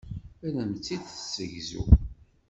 Ad am-tt-id-tessegzu.